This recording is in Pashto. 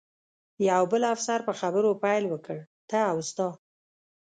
یو بل افسر په خبرو پیل وکړ، ته او ستا.